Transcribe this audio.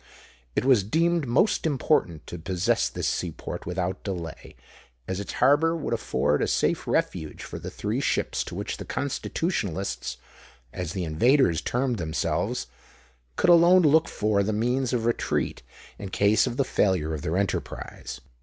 It was deemed most important to possess this sea port without delay; as its harbour would afford a safe refuge for the three ships to which the Constitutionalists (as the invaders termed themselves) could alone look for the means of retreat, in case of the failure of their enterprise.